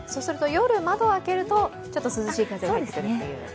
窓を開けるとちょっと涼しい風が入ってくるという。